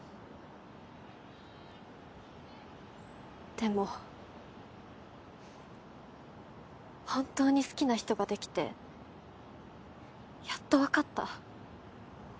でも本当に好きな人ができてやっとわかった。